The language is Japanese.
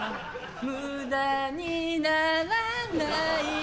無駄にならない